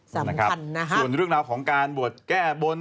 ส่วนเรื่องราวของการบวชแก้วงาน